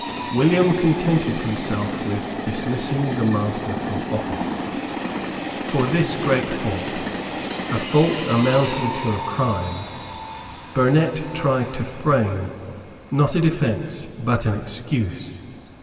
William contented himself with dismissing the Master from office. For this great fault, a fault amounting to a crime, Burnet tried to frame, not a defence, but an excuse.